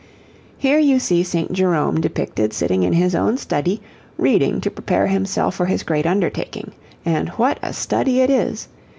Here you see St. Jerome depicted sitting in his own study, reading to prepare himself for his great undertaking; and what a study it is!